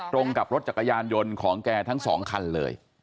กับรถจักรยานยนต์ของแกทั้งสองคันเลย